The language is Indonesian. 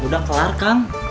sudah kelar kang